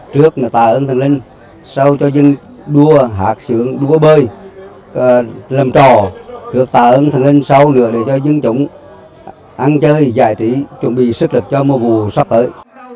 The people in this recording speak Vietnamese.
trước là tạ ơn thần linh sau cho dân đua hạc sướng đua bơi làm trò trước tạ ơn thần linh sau nữa là cho dân chúng ăn chơi giải trí chuẩn bị sức lực cho mùa vù sắp tới